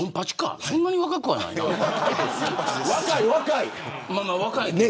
そんなに若くないね。